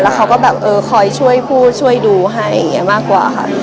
เขาก็แบบเออคอยช่วยผู้ช่วยดูให้อย่างนี้มากกว่าค่ะ